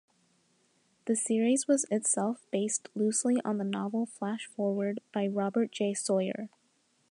The series was itself based loosely on the novel Flashforward by Robert J. Sawyer.